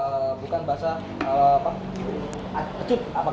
bukan basah kecut